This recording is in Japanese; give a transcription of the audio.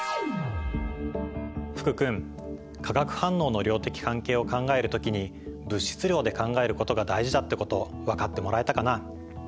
福君化学反応の量的関係を考える時に物質量で考えることが大事だってこと分かってもらえたかな？